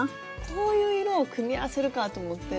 こういう色を組み合わせるかぁと思って。